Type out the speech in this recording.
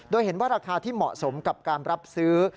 โดยเห็นว่าราคาที่เหมาะสมกับการรับซื้อ